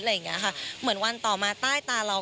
อะไรอย่างเงี้ยค่ะเหมือนวันต่อมาใต้ตาเรา